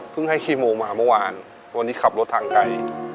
ให้คีโมมาเมื่อวานวันนี้ขับรถทางไกล